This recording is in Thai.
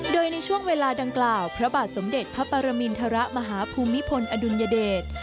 โดยในช่วงเวลาดังกล่าวพระบาทสมเด็จพระปรมินทรมาฮภูมิพลอดุลยเดช